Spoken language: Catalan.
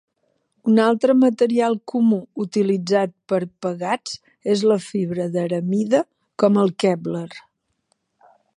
Un altre material comú utilitzat per pegats és la fibra d'aramida, com el kevlar.